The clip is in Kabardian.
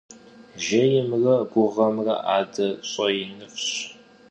Jjêymre guğemre ade ş'einıf'ş.